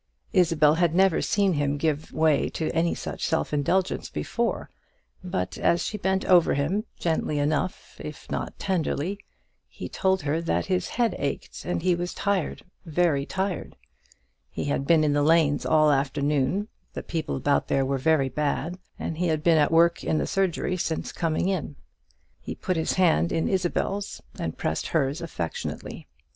Isabel had never seen him give way to any such self indulgence before; but as she bent over him, gently enough, if not tenderly, he told her that his head ached and he was tired, very tired; he had been in the lanes all the afternoon, the people about there were very bad, and he had been at work in the surgery since coming in. He put his hand in Isabel's, and pressed hers affectionately.